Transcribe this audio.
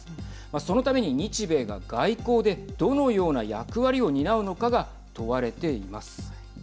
そのために日米が外交でどのような役割を担うのかが問われています。